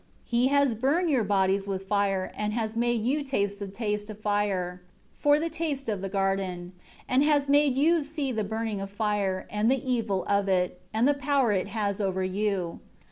He has burnt your bodies with fire, and has made you taste the taste of fire, for the taste of the garden; and has made you see the burning of fire, and the evil of it, and the power it has over you.